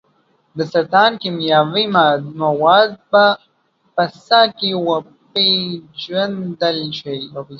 د سرطان کیمیاوي مواد به په ساه کې وپیژندل شي.